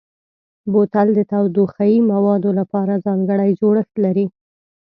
بوتل د تودوخهيي موادو لپاره ځانګړی جوړښت لري.